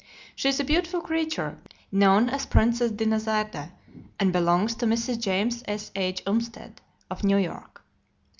She is a beautiful creature, known as Princess Dinazarde, and belongs to Mrs. James S.H. Umsted, of New York.